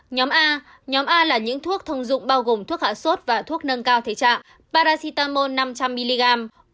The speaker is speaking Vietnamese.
nhóm a nhóm a là những thuốc thông dụng bao gồm thuốc hạ sốt và thuốc nâng cao thể trạng parasitamol năm trăm linh mg